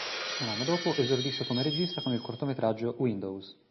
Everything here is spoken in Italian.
Un anno dopo esordisce come regista con il cortometraggio "Windows".